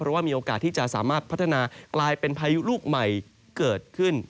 เพราะว่ามีโอกาสที่จะสามารถพัฒนากลายเป็นพายุลูกใหม่เกิดขึ้น